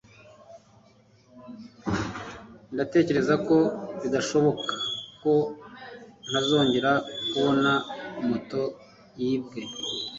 ndatekereza ko bidashoboka ko ntazongera kubona moto yibwe